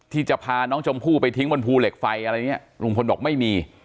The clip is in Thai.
ที่จะพาน้องชมพู่ไปทิ้งบนภูเหล็กไฟอะไรอย่างนี้ลุงพลบอกไม่มี